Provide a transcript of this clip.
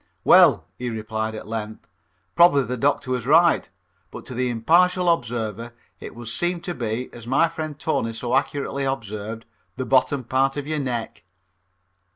"Well," he replied at length, "probably the doctor was right, but to the impartial observer it would seem to be, as my friend Tony so accurately observed, the bottom part of your neck."